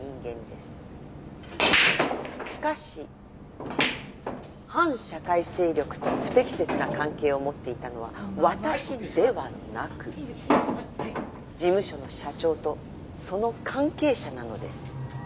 しかし反社会勢力と不適切な関係を持っていたのは私ではなく事務所の社長とその関係者なのです。